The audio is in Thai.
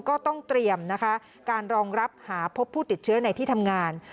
ก็ต้องเตรียมนะคะการรองรับหาพบผู้ติดเชื้อในที่ทำงาน